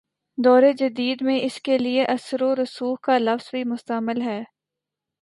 دور جدید میں اس کے لیے" اثرورسوخ کا لفظ بھی مستعمل ہے۔